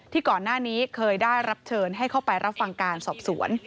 ก่อนหน้านี้เคยได้รับเชิญให้เข้าไปรับฟังการสอบสวน